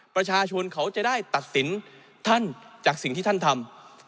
ประชาชนเขาจะได้ตัดสินท่านจากสิ่งที่ท่านทำ